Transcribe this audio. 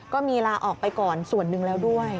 ลาออกไปก่อนส่วนหนึ่งแล้วด้วย